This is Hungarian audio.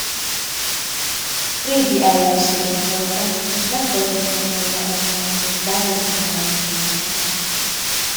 Régi ellenségek voltak, és megfojtották volna egymást egy kávéskanálnyi vízben.